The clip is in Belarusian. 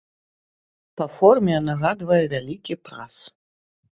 Па форме нагадвае вялікі прас.